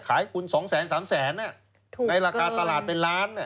ขายคุณ๒๓แสนในราคาตลาดเป็นล้าน